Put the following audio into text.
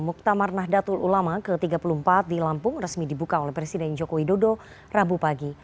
muktamar nahdlatul ulama ke tiga puluh empat di lampung resmi dibuka oleh presiden joko widodo rabu pagi